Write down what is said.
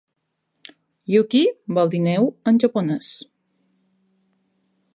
"Yuki" vol dir "neu" en japonès.